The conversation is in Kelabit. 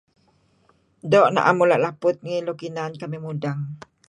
Doo' na'em mula' laput lem inan kamih mudeng